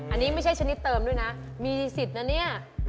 อันนี้ไม่ใช่ชนิดเติมด้วยนะมีสิทธิ์นะเนี่ย